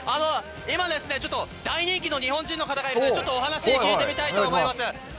今ですね、ちょっと大人気の日本人の方がいるので、ちょっとお話を聞いてみたいと思います。